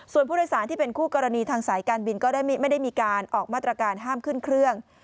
ส่วนผู้โดยสารที่เป็นคู่กรณีทางสายการบินก็ไม่ได้มีการออกมาตรการห้ามขึ้นเครื่อง